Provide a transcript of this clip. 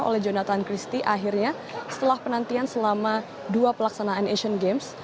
oleh jonathan christie akhirnya setelah penantian selama dua pelaksanaan asian games